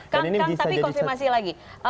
kang tapi konfirmasi lagi